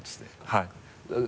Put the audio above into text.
はい。